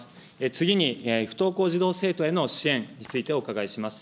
次に不登校児童・生徒への支援についてお伺いします。